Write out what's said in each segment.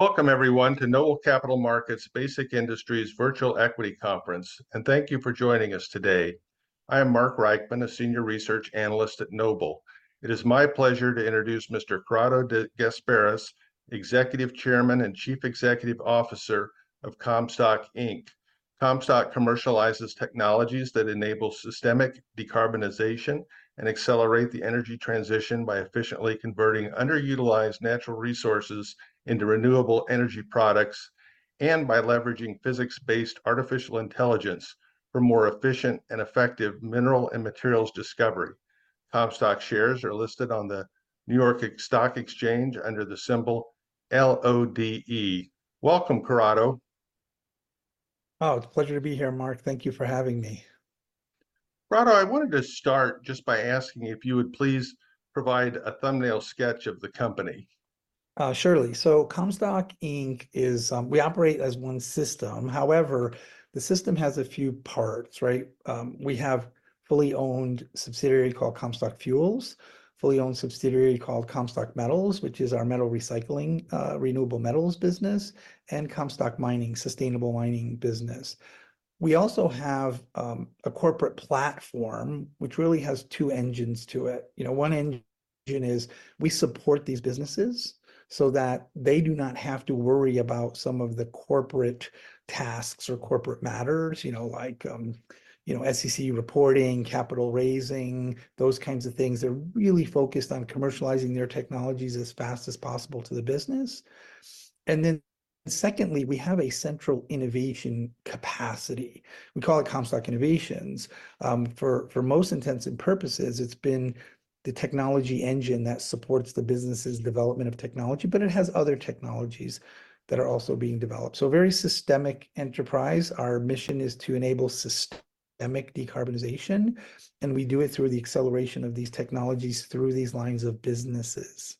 Welcome everyone to Noble Capital Markets Basic Industries Virtual Equity Conference, and thank you for joining us today. I am Mark Reichman, a senior research analyst at Noble. It is my pleasure to introduce Mr. Corrado De Gasperis, Executive Chairman and Chief Executive Officer of Comstock Inc. Comstock commercializes technologies that enable systemic decarbonization and accelerate the energy transition by efficiently converting underutilized natural resources into renewable energy products, and by leveraging physics-based artificial intelligence for more efficient and effective mineral and materials discovery. Comstock shares are listed on the New York Stock Exchange under the symbol LODE. Welcome, Corrado. Oh, it's a pleasure to be here, Mark. Thank you for having me. Corrado, I wanted to start just by asking you if you would please provide a thumbnail sketch of the company. Surely. So Comstock Inc. is, we operate as one system. However, the system has a few parts, right? We have fully owned subsidiary called Comstock Fuels, fully owned subsidiary called Comstock Metals, which is our metal recycling, renewable metals business, and Comstock Mining, sustainable mining business. We also have a corporate platform, which really has two engines to it. You know, one engine is we support these businesses so that they do not have to worry about some of the corporate tasks or corporate matters, you know, like, you know, SEC reporting, capital raising, those kinds of things. They're really focused on commercializing their technologies as fast as possible to the business. And then secondly, we have a central innovation capacity. We call it Comstock Innovations. For most intents and purposes, it's been the technology engine that supports the business's development of technology, but it has other technologies that are also being developed. So a very systemic enterprise. Our mission is to enable systemic decarbonization, and we do it through the acceleration of these technologies through these lines of businesses.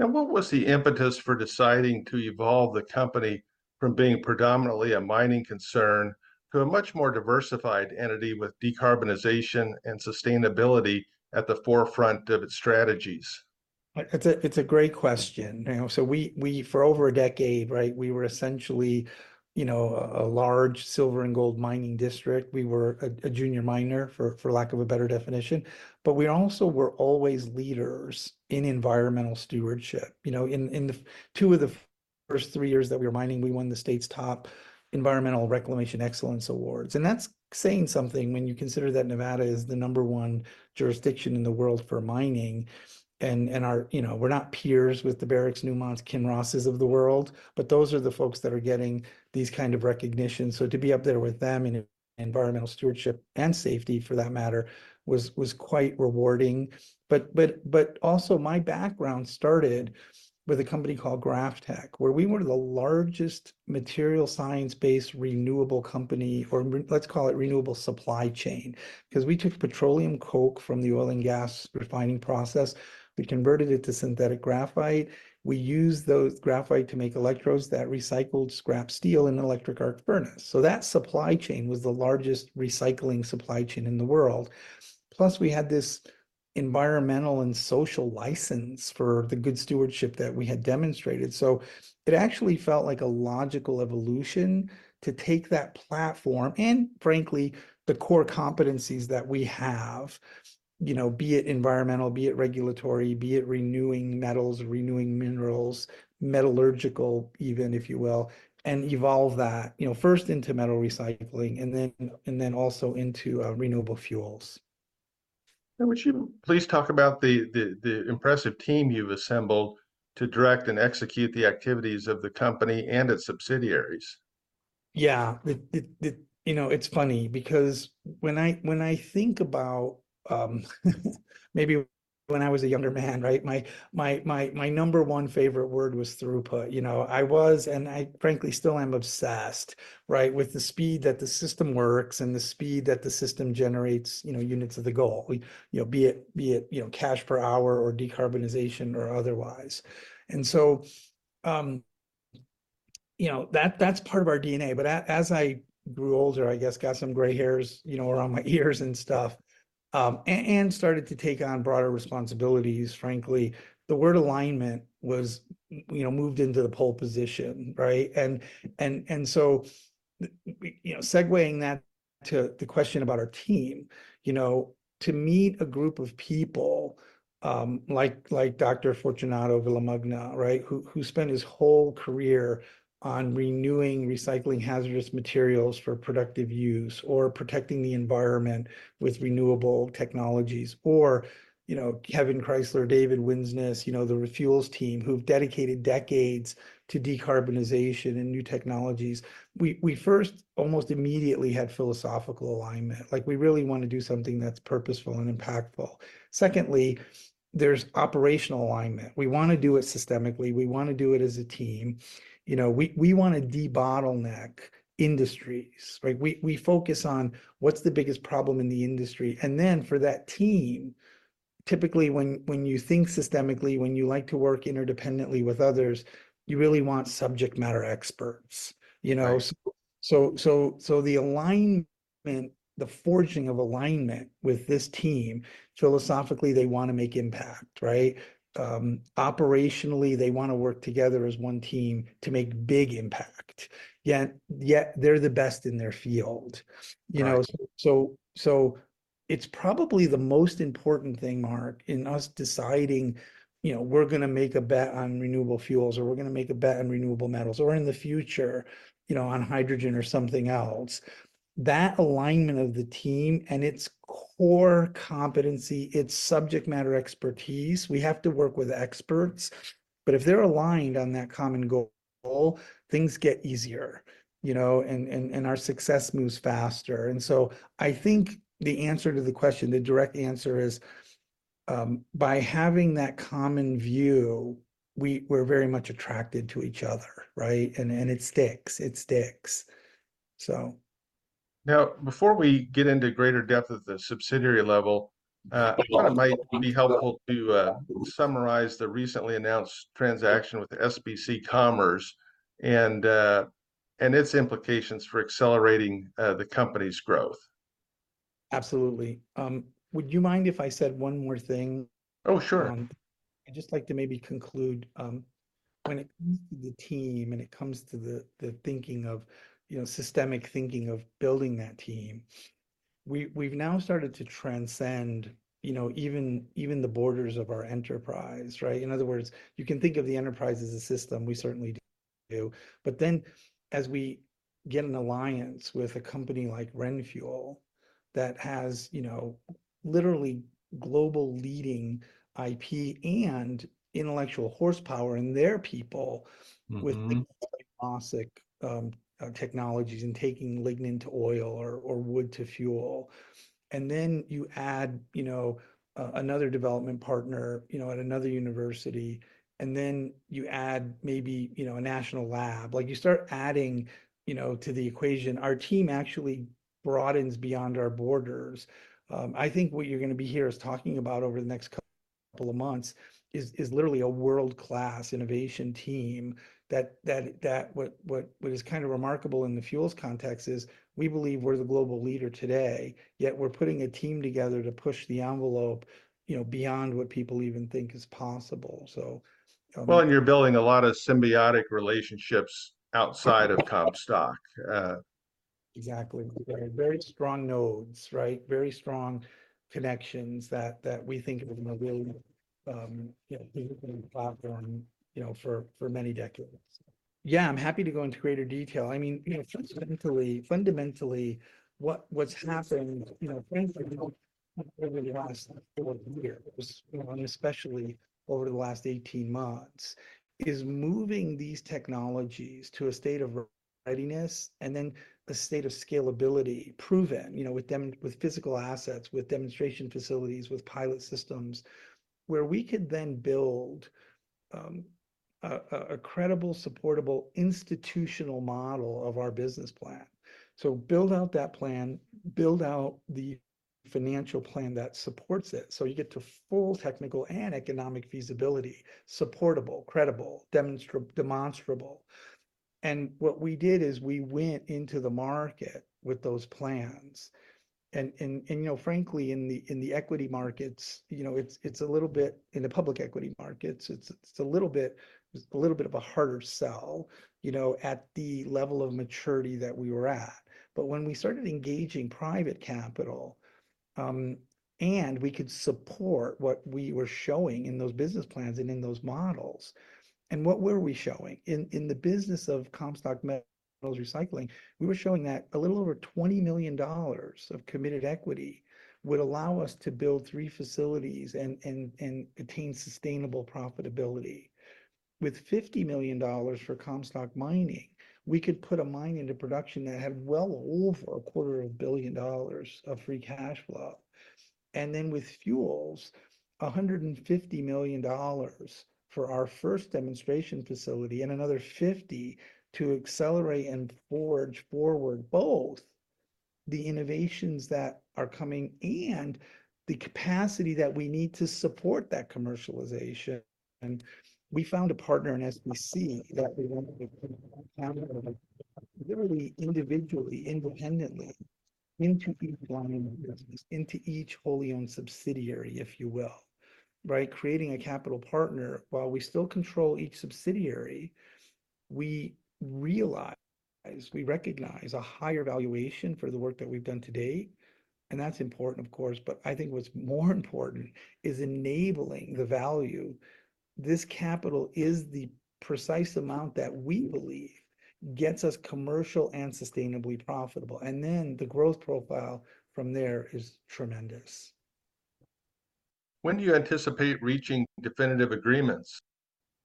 Now, what was the impetus for deciding to evolve the company from being predominantly a mining concern to a much more diversified entity with decarbonization and sustainability at the forefront of its strategies? It's a great question. You know, so we for over a decade, right, we were essentially, you know, a large silver and gold mining district. We were a junior miner, for lack of a better definition, but we also were always leaders in environmental stewardship. You know, Two of the first three years that we were mining, we won the state's top Environmental Reclamation Excellence Awards, and that's saying something when you consider that Nevada is the number one jurisdiction in the world for mining. And our, you know, we're not peers with the Barricks, Newmonts, Kinrosses of the world, but those are the folks that are getting these kind of recognitions, so to be up there with them in environmental stewardship, and safety for that matter, was quite rewarding. But also my background started with a company called GrafTech, where we were the largest material science-based renewable company, or let's call it renewable supply chain. 'Cause we took petroleum coke from the oil and gas refining process, we converted it to synthetic graphite. We used those graphite to make electrodes that recycled scrap steel in an electric arc furnace. So that supply chain was the largest recycling supply chain in the world. Plus, we had this environmental and social license for the good stewardship that we had demonstrated, so it actually felt like a logical evolution to take that platform, and frankly, the core competencies that we have, you know, be it environmental, be it regulatory, be it renewing metals, renewing minerals, metallurgical even, if you will, and evolve that. You know, first into metal recycling, and then also into renewable fuels. Would you please talk about the impressive team you've assembled to direct and execute the activities of the company and its subsidiaries? Yeah. You know, it's funny because when I think about maybe when I was a younger man, right, my number one favorite word was throughput. You know, I was, and I frankly still am, obsessed, right, with the speed that the system works and the speed that the system generates, you know, units of the goal. You know, be it, you know, cash per hour or decarbonization or otherwise. And so, you know, that's part of our DNA. But as I grew older, I guess, got some gray hairs, you know, around my ears and stuff, and started to take on broader responsibilities, frankly, the word alignment was you know, moved into the pole position, right? So, you know, segueing that to the question about our team, you know, to meet a group of people like Dr. Fortunato Villamagna, right, who spent his whole career on renewing and recycling hazardous materials for productive use, or protecting the environment with renewable technologies, or, you know, Kevin Kreisler, David Winsness, you know, the RenFuel team, who've dedicated decades to decarbonization and new technologies. We first almost immediately had philosophical alignment. Like, we really wanna do something that's purposeful and impactful. Secondly, there's operational alignment. We wanna do it systemically, we wanna do it as a team. You know, we wanna de-bottleneck industries, right? We focus on what's the biggest problem in the industry. And then for that team, typically, when you think systemically, when you like to work interdependently with others, you really want subject matter experts, you know? So, the alignment and the forging of alignment with this team, philosophically, they wanna make impact, right? Operationally, they wanna work together as one team to make big impact. Yet, they're the best in their field. Right. You know, so it's probably the most important thing, Mark, in us deciding, you know, we're gonna make a bet on renewable fuels, or we're gonna make a bet on renewable metals, or in the future, you know, on hydrogen or something else. That alignment of the team and its core competency, its subject matter expertise, we have to work with experts, but if they're aligned on that common goal, things get easier, you know, and our success moves faster. And so I think the answer to the question, the direct answer is, by having that common view, we're very much attracted to each other, right? And it sticks. It sticks, so... Now, before we get into greater depth at the subsidiary level, it might be helpful to summarize the recently announced transaction with SBC Commerce and its implications for accelerating the company's growth. Absolutely. Would you mind if I said one more thing? Oh, sure. I'd just like to maybe conclude, when it comes to the team and it comes to the thinking of, you know, systemic thinking of building that team, we've now started to transcend, you know, even the borders of our enterprise, right? In other words, you can think of the enterprise as a system. We certainly do. But then, as we get an alliance with a company like RenFuel, that has, you know, literally global leading IP and intellectual horsepower in their people- Mm-hmm... with classic technologies and taking lignin to oil or wood to fuel, and then you add, you know, another development partner, you know, at another university, and then you add maybe, you know, a national lab. Like, you start adding, you know, to the equation, our team actually broadens beyond our borders. I think what you're gonna hear us talking about over the next couple of months is literally a world-class innovation team that what is kind of remarkable in the fuels context is, we believe we're the global leader today, yet we're putting a team together to push the envelope, you know, beyond what people even think is possible, so- Well, and you're building a lot of symbiotic relationships outside of Comstock. Exactly, right. Very strong nodes, right? Very strong connections that we think of them are building, you know, platform, you know, for many decades. Yeah, I'm happy to go into greater detail. I mean, you know, fundamentally, what's happened, you know, frankly, over the last four years, you know, and especially over the last 18 months, is moving these technologies to a state of readiness and then a state of scalability proven, you know, with physical assets, with demonstration facilities, with pilot systems, where we could then build a credible, supportable, institutional model of our business plan. So build out that plan, build out the financial plan that supports it. So you get to full technical and economic feasibility, supportable, credible, demonstrable. What we did is we went into the market with those plans and, you know, frankly, in the equity markets, you know, it's a little bit of a harder sell, you know, at the level of maturity that we were at. But when we started engaging private capital, and we could support what we were showing in those business plans and in those models, and what were we showing? In the business of Comstock Metals Recycling, we were showing that a little over $20 million of committed equity would allow us to build three facilities and attain sustainable profitability. With $50 million for Comstock Mining, we could put a mine into production that had well over $250 million of free cash flow. And then with fuels, $150 million for our first demonstration facility and another $50 million to accelerate and forge forward both the innovations that are coming and the capacity that we need to support that commercialization. And we found a partner in SBC that we want to literally, individually, independently into each line of business, into each wholly owned subsidiary, if you will, right? Creating a capital partner, while we still control each subsidiary, we realize, we recognize a higher valuation for the work that we've done to date, and that's important, of course. But I think what's more important is enabling the value. This capital is the precise amount that we believe gets us commercial and sustainably profitable, and then the growth profile from there is tremendous. When do you anticipate reaching definitive agreements?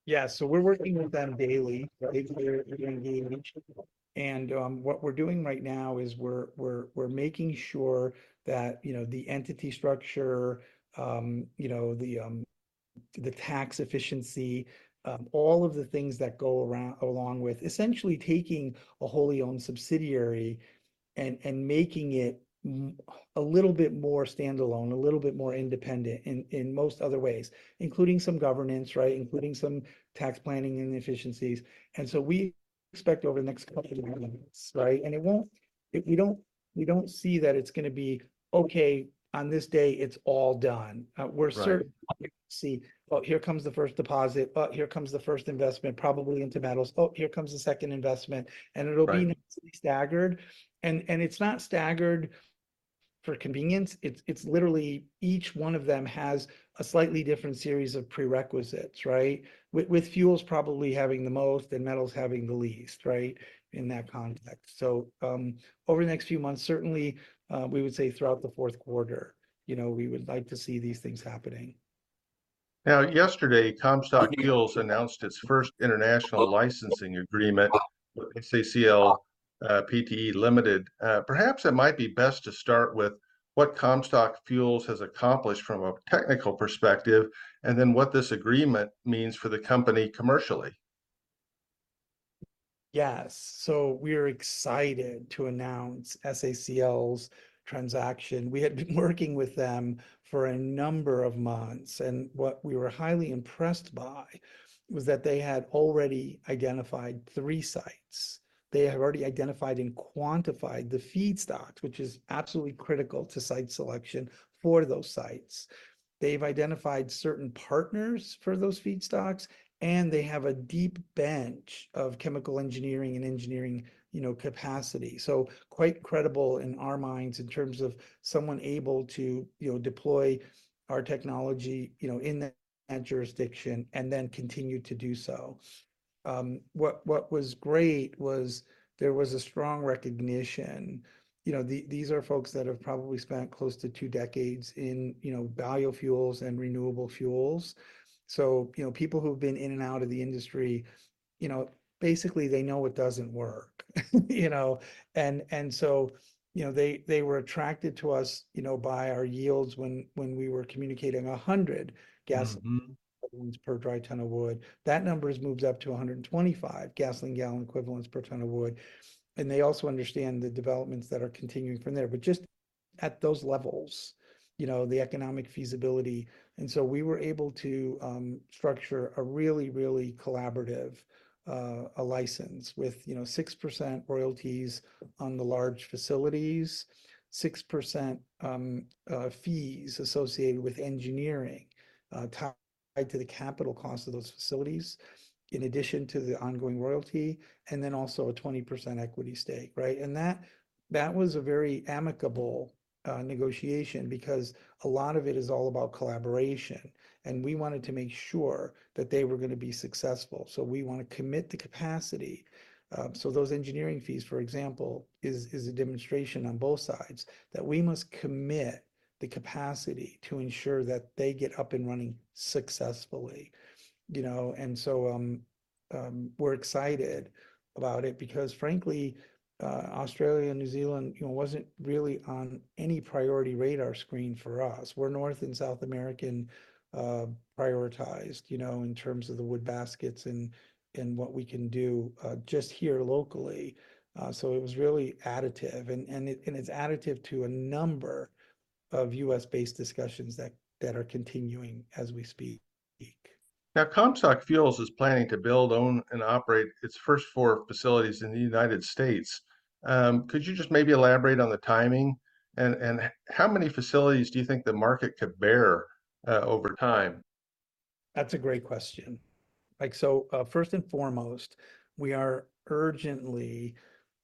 Yeah. So we're working with them daily. They're very engaged, and what we're doing right now is we're making sure that, you know, the entity structure, you know, the tax efficiency, all of the things that go along with essentially taking a wholly owned subsidiary and making it a little bit more standalone, a little bit more independent in most other ways, including some governance, right? Including some tax planning and efficiencies. And so we expect over the next couple of months, right? And it won't - we don't see that it's gonna be, "Okay, on this day, it's all done." We're- Right... certain, see, "Oh, here comes the first deposit. Oh, here comes the first investment, probably into metals. Oh, here comes the second investment," and it'll be- Right... staggered. And it's not staggered for convenience. It's literally each one of them has a slightly different series of prerequisites, right? With fuels probably having the most and metals having the least, right, in that context. So, over the next few months, certainly, we would say throughout the fourth quarter, you know, we would like to see these things happening. Now, yesterday, Comstock Fuels announced its first international licensing agreement with SACL Pte. Ltd. Perhaps it might be best to start with what Comstock Fuels has accomplished from a technical perspective, and then what this agreement means for the company commercially. Yes, so we're excited to announce SACL's transaction. We had been working with them for a number of months, and what we were highly impressed by was that they had already identified three sites. They have already identified and quantified the feedstocks, which is absolutely critical to site selection for those sites. They've identified certain partners for those feedstocks, and they have a deep bench of chemical engineering and engineering, you know, capacity. So quite credible in our minds in terms of someone able to, you know, deploy our technology, you know, in that jurisdiction, and then continue to do so. What was great was there was a strong recognition. You know, these are folks that have probably spent close to two decades in, you know, biofuel fuels and renewable fuels. So, you know, people who've been in and out of the industry, you know, basically, they know what doesn't work. You know? And so, you know, they were attracted to us, you know, by our yields, when we were communicating a hundred gasoline- Mm... per dry ton of wood. That number has moved up to 125 gasoline gallon equivalents per ton of wood, and they also understand the developments that are continuing from there. But just at those levels, you know, the economic feasibility, and so we were able to structure a really, really collaborative license with, you know, 6% royalties on the large facilities, 6% fees associated with engineering tied to the capital cost of those facilities, in addition to the ongoing royalty, and then also a 20% equity stake, right? And that, that was a very amicable negotiation because a lot of it is all about collaboration, and we wanted to make sure that they were gonna be successful. So we want to commit the capacity. So those engineering fees, for example, is a demonstration on both sides that we must commit the capacity to ensure that they get up and running successfully, you know? And so, we're excited about it because, frankly, Australia and New Zealand, you know, wasn't really on any priority radar screen for us. We're North and South American prioritized, you know, in terms of the wood baskets and it's additive to a number of U.S.-based discussions that are continuing as we speak. Now, Comstock Fuels is planning to build, own, and operate its first four facilities in the United States. Could you just maybe elaborate on the timing, and how many facilities do you think the market could bear, over time? That's a great question. Like, so, first and foremost, we are urgently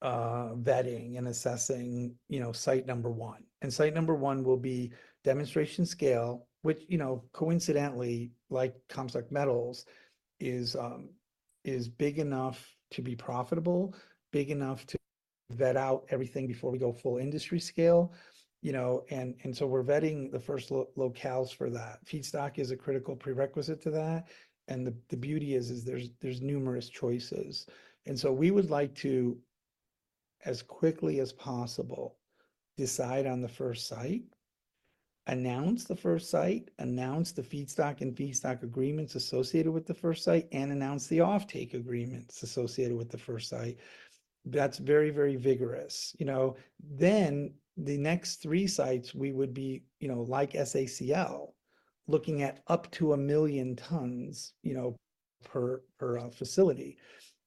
vetting and assessing, you know, site number one, and site number one will be demonstration scale, which, you know, coincidentally, like Comstock Metals, is big enough to be profitable, big enough to vet out everything before we go full industry scale, you know, and so we're vetting the first locales for that. Feedstock is a critical prerequisite to that, and the beauty is there's numerous choices, and so we would like to, as quickly as possible, decide on the first site, announce the first site, announce the feedstock and feedstock agreements associated with the first site, and announce the offtake agreements associated with the first site. That's very, very vigorous, you know. Then, the next three sites, we would be, you know, like SACL, looking at up to a million tons, you know, per a facility.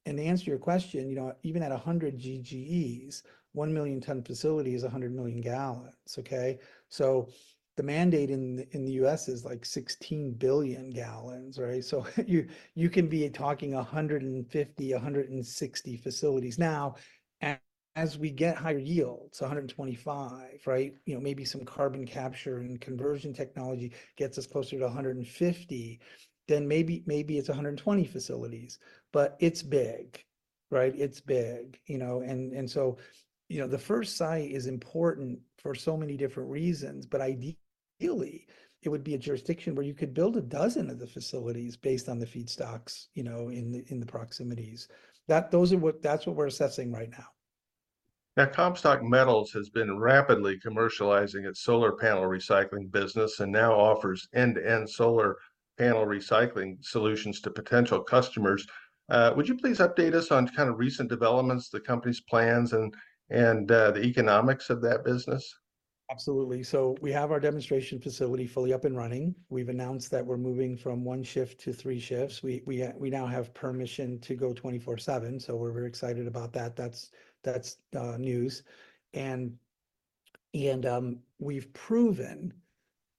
And to answer your question, you know, even at a hundred GGEs, one million ton facility is a hundred million gallons, okay? So the mandate in the U.S. is, like, sixteen billion gallons, right? So you can be talking 150, 160 facilities. Now, as we get higher yields, a hundred and twenty-five, right, you know, maybe some carbon capture and conversion technology gets us closer to a hundred and fifty, then maybe it's a hundred and twenty facilities. But it's big, right? It's big, you know. You know, the first site is important for so many different reasons, but ideally, it would be a jurisdiction where you could build a dozen of the facilities based on the feedstocks, you know, in the proximities. That's what we're assessing right now. Now, Comstock Metals has been rapidly commercializing its solar panel recycling business, and now offers end-to-end solar panel recycling solutions to potential customers. Would you please update us on kind of recent developments, the company's plans, and the economics of that business? ... Absolutely. So we have our demonstration facility fully up and running. We've announced that we're moving from one shift to three shifts. We now have permission to go twenty four/seven, so we're very excited about that. That's news. And we've proven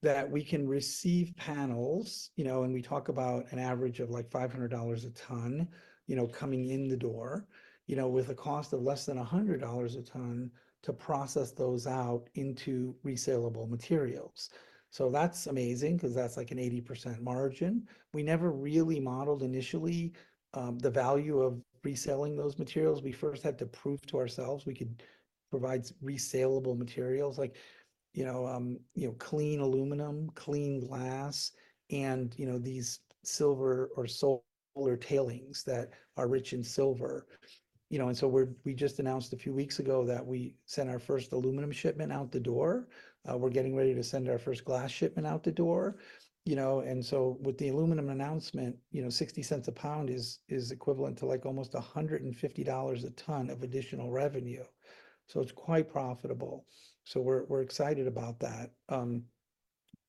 that we can receive panels, you know, and we talk about an average of, like, $500 a ton, you know, coming in the door, you know, with a cost of less than $100 a ton to process those out into resalable materials. So that's amazing, 'cause that's, like, an 80% margin. We never really modeled initially the value of reselling those materials. We first had to prove to ourselves we could provide resalable materials like, you know, you know, clean aluminum, clean glass, and, you know, these silver or solar tailings that are rich in silver. You know, and so we just announced a few weeks ago that we sent our first aluminum shipment out the door. We're getting ready to send our first glass shipment out the door, you know? And so with the aluminum announcement, you know, $0.60 a pound is equivalent to, like, almost $150 a ton of additional revenue, so it's quite profitable. So we're excited about that.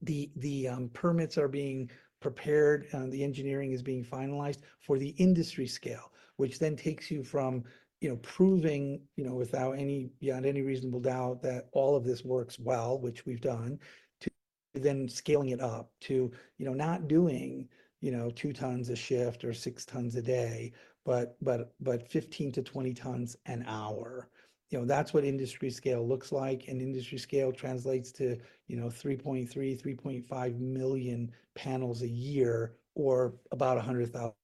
The permits are being prepared and the engineering is being finalized for the industry scale, which then takes you from you know proving you know beyond any reasonable doubt that all of this works well, which we've done, to then scaling it up to you know not doing you know two tons a shift or six tons a day, but 15-20 tons an hour. You know, that's what industry scale looks like, and industry scale translates to you know 3.3-3.5 million panels a year, or about 100,000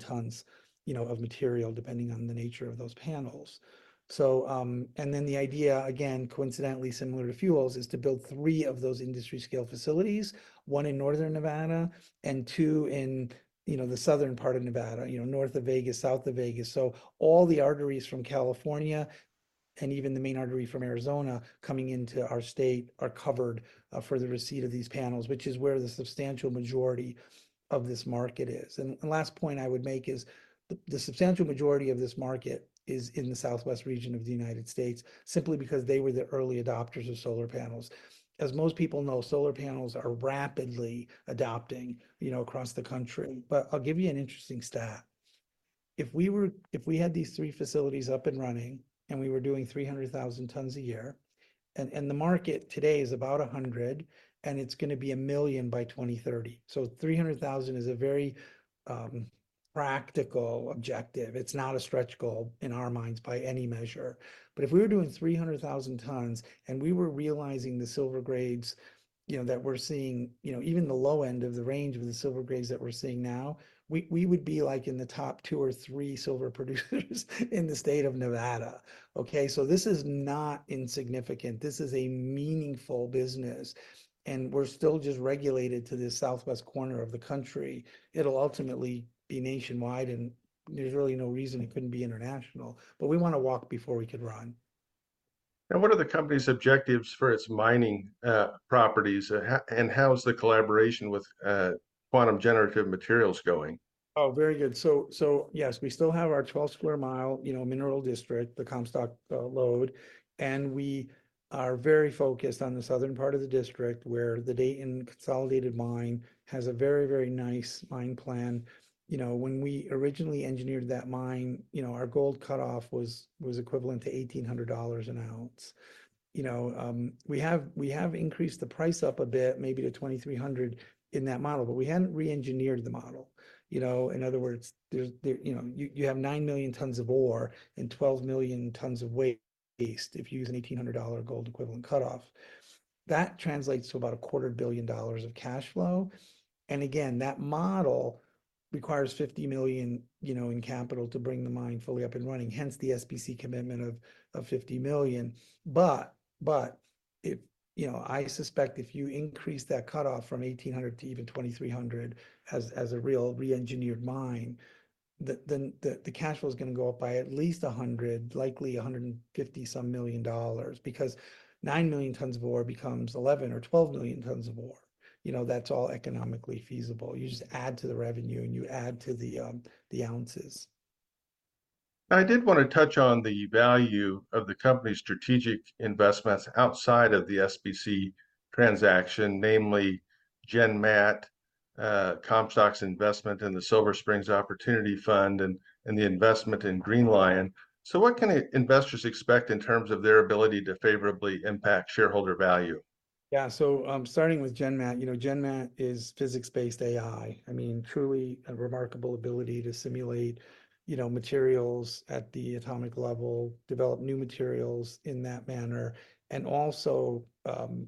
tons you know of material, depending on the nature of those panels. The idea, again, coincidentally similar to fuels, is to build three of those industry scale facilities, one in northern Nevada and two in you know the southern part of Nevada. You know, north of Vegas, south of Vegas. So all the arteries from California, and even the main artery from Arizona coming into our state, are covered for the receipt of these panels, which is where the substantial majority of this market is. And last point I would make is, the substantial majority of this market is in the southwest region of the United States, simply because they were the early adopters of solar panels. As most people know, solar panels are rapidly adopting, you know, across the country. But I'll give you an interesting stat: If we had these three facilities up and running, and we were doing 300,000 tons a year, and the market today is about 100, and it's gonna be 1 million by 2030. So 300,000 is a very practical objective. It's not a stretch goal in our minds, by any measure. But if we were doing 300,000 tons, and we were realizing the silver grades, you know, that we're seeing, you know, even the low end of the range of the silver grades that we're seeing now, we would be, like, in the top two or three silver producers in the state of Nevada. Okay? So this is not insignificant. This is a meaningful business, and we're still just relegated to this southwest corner of the country. It'll ultimately be nationwide, and there's really no reason it couldn't be international, but we wanna walk before we can run. And what are the company's objectives for its mining properties? And how is the collaboration with Quantum Generative Materials going? Oh, very good. So yes, we still have our 12-square-mile, you know, mineral district, the Comstock Lode, and we are very focused on the southern part of the district, where the Dayton Consolidated Mine has a very nice mine plan. You know, when we originally engineered that mine, you know, our gold cutoff was equivalent to $1,800 an ounce. You know, we have increased the price up a bit, maybe to $2,300 in that model, but we hadn't reengineered the model. You know, in other words, there you know. You have nine million tons of ore and 12 million tons of waste, if you use an $1,800 gold equivalent cutoff. That translates to about $250 million of cash flow. And again, that model requires $50 million, you know, in capital to bring the mine fully up and running, hence the SBC commitment of $50 million. But if... You know, I suspect if you increase that cutoff from 1,800 to even 2,300 as a real reengineered mine, the cash flow is gonna go up by at least $100 million, likely $150 million or so, because nine million tons of ore becomes 11 or 12 million tons of ore. You know, that's all economically feasible. You just add to the revenue, and you add to the ounces. I did wanna touch on the value of the company's strategic investments outside of the SBC transaction, namely GenMat, Comstock's investment in the Sierra Springs Opportunity Fund, and the investment in Green Li-ion. So what can investors expect in terms of their ability to favorably impact shareholder value? Yeah. So, starting with GenMat, you know, GenMat is physics-based AI. I mean, truly a remarkable ability to simulate, you know, materials at the atomic level, develop new materials in that manner, and also,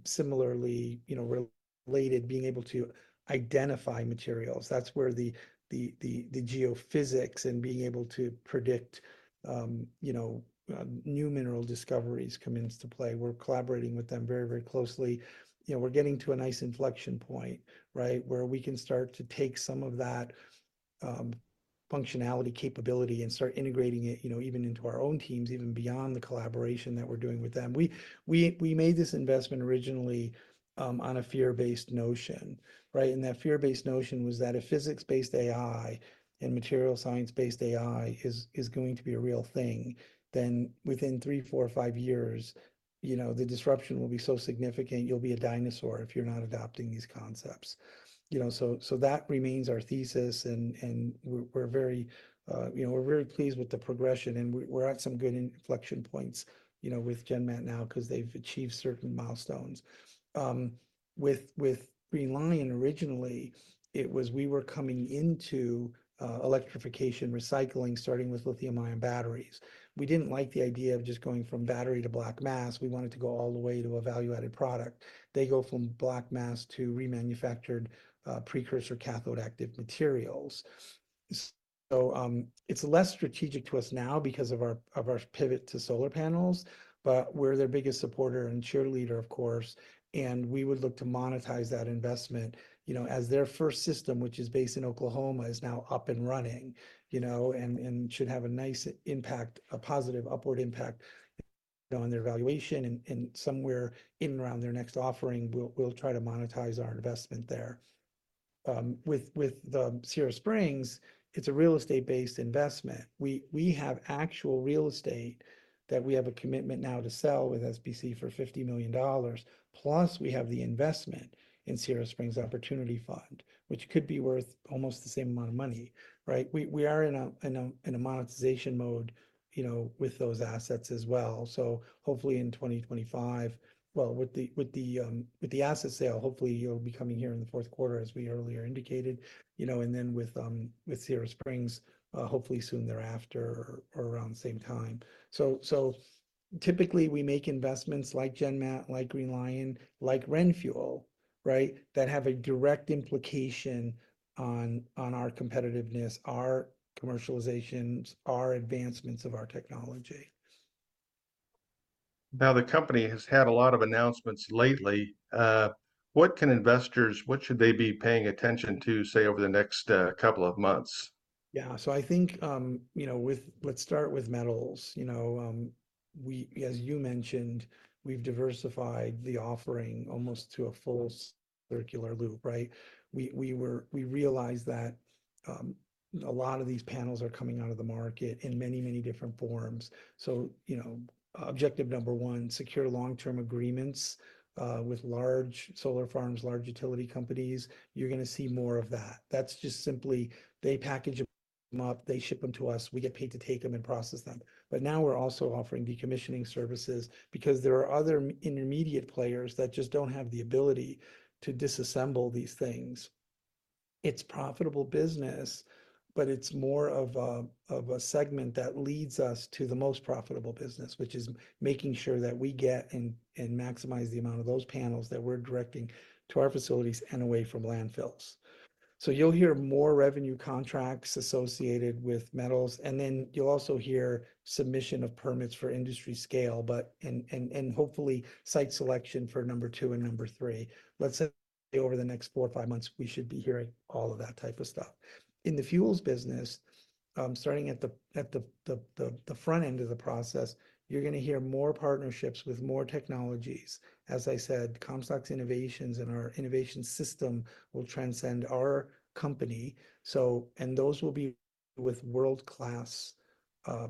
similarly, you know, related, being able to identify materials. That's where the geophysics and being able to predict, you know, new mineral discoveries comes into play. We're collaborating with them very, very closely. You know, we're getting to a nice inflection point, right? Where we can start to take some of that functionality capability and start integrating it, you know, even into our own teams, even beyond the collaboration that we're doing with them. We made this investment originally, on a fear-based notion, right? That fear-based notion was that a physics-based AI and material science-based AI is going to be a real thing, then within three, four or five years, you know, the disruption will be so significant, you'll be a dinosaur if you're not adopting these concepts. You know, so that remains our thesis, and we're very, you know, we're very pleased with the progression, and we're at some good inflection points, you know, with GenMat now, 'cause they've achieved certain milestones. With Green Li-ion originally, it was we were coming into electrification recycling, starting with lithium-ion batteries. We didn't like the idea of just going from battery to black mass. We wanted to go all the way to a value-added product. They go from black mass to remanufactured precursor cathode active materials. It's less strategic to us now because of our pivot to solar panels, but we're their biggest supporter and cheerleader, of course, and we would look to monetize that investment. You know, as their first system, which is based in Oklahoma, is now up and running, you know, and should have a nice impact, a positive upward impact on their valuation, and somewhere in and around their next offering, we'll try to monetize our investment there. With the Sierra Springs, it's a real estate-based investment. We have actual real estate that we have a commitment now to sell with SBC for $50 million. Plus, we have the investment in Sierra Springs Opportunity Fund, which could be worth almost the same amount of money, right? We are in a monetization mode, you know, with those assets as well, so hopefully in 2025. Well, with the asset sale, hopefully it'll be coming here in the fourth quarter, as we earlier indicated, you know, and then with Sierra Springs, hopefully soon thereafter or around the same time. So typically we make investments like GenMat, like Green Li-ion, like RenFuel, right, that have a direct implication on our competitiveness, our commercializations, our advancements of our technology. Now, the company has had a lot of announcements lately. What should they be paying attention to, say, over the next couple of months? Yeah. So I think, you know, let's start with metals. You know, we, as you mentioned, we've diversified the offering almost to a full circular loop, right? We realized that a lot of these panels are coming out of the market in many, many different forms. So, you know, objective number one, secure long-term agreements with large solar farms, large utility companies. You're gonna see more of that. That's just simply they package them up, they ship them to us, we get paid to take them and process them. But now we're also offering decommissioning services because there are other intermediate players that just don't have the ability to disassemble these things. It's profitable business, but it's more of a segment that leads us to the most profitable business, which is making sure that we get and maximize the amount of those panels that we're directing to our facilities and away from landfills. So you'll hear more revenue contracts associated with metals, and then you'll also hear submission of permits for industry scale, but hopefully site selection for number two and number three. Let's say over the next four or five months, we should be hearing all of that type of stuff. In the fuels business, starting at the front end of the process, you're gonna hear more partnerships with more technologies. As I said, Comstock's innovations and our innovation system will transcend our company, so and those will be with world-class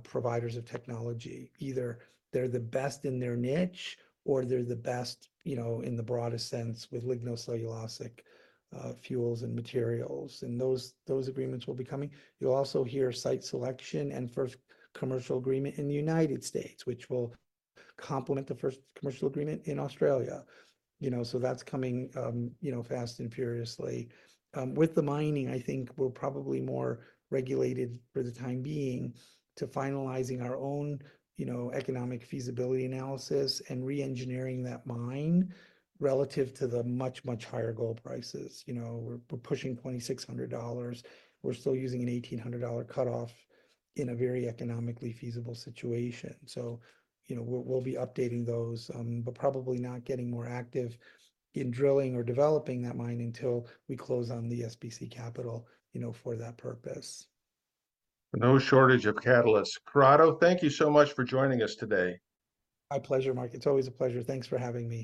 providers of technology. Either they're the best in their niche, or they're the best, you know, in the broadest sense with lignocellulosic fuels and materials, and those agreements will be coming. You'll also hear site selection and first commercial agreement in the United States, which will complement the first commercial agreement in Australia. You know, so that's coming, you know, fast and furiously. With the mining, I think we're probably more regulated for the time being to finalizing our own, you know, economic feasibility analysis and re-engineering that mine, relative to the much, much higher gold prices. You know, we're pushing $2,600. We're still using an $1,800 cutoff in a very economically feasible situation. So, you know, we'll be updating those, but probably not getting more active in drilling or developing that mine until we close on the SBC capital, you know, for that purpose. No shortage of catalysts. Corrado, thank you so much for joining us today. My pleasure, Mark. It's always a pleasure. Thanks for having me.